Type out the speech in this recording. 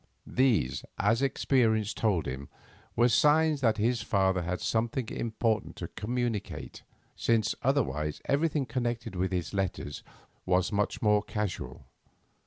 These, as experience told him, were signs that his father had something important to communicate, since otherwise everything connected with his letters was much more casual.